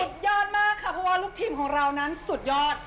สุดยอดมากค่ะเพราะว่าลูกทีมของเรานั้นสุดยอด